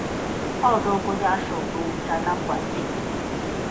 澳洲国家首都展览馆内。